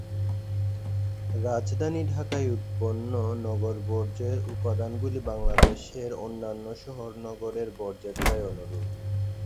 রাজধানী ঢাকায় উৎপন্ন নগর-বর্জ্যের উপাদানগুলি বাংলাদেশের অন্যান্য শহর-নগরের বর্জ্যের প্রায় অনুরূপ।